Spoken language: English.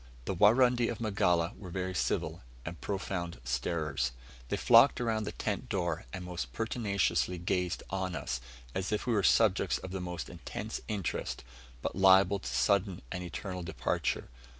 The Warundi of Magala were very civil, and profound starers. They flocked around the tent door, and most pertinaciously gazed on us, as if we were subjects of most intense interest, but liable to sudden and eternal departure.